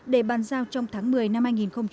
để bàn giao trong tháng một mươi năm hai nghìn hai mươi